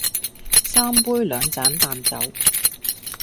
三杯兩盞淡酒，